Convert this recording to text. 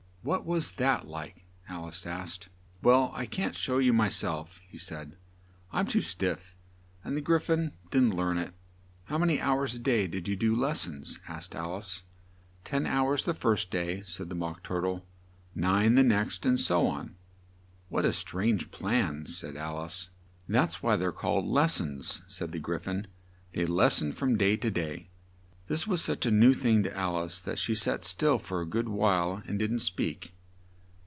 "What was that like?" Al ice asked. "Well, I can't show you, my self," he said: "I'm too stiff. And the Gry phon didn't learn it." "How man y hours a day did you do les sons?" asked Al ice. "Ten hours the first day," said the Mock Tur tle; "nine the next and so on." "What a strange plan!" said Al ice. "That's why they're called les sons," said the Gry phon: "they les sen from day to day." This was such a new thing to Al ice that she sat still a good while and didn't speak.